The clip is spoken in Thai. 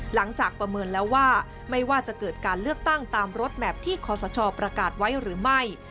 ประเมินแล้วว่าไม่ว่าจะเกิดการเลือกตั้งตามรถแมพที่ขอสชประกาศไว้หรือไม่